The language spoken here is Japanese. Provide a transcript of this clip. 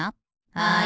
はい！